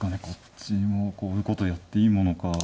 こっちもこういうことやっていいものか。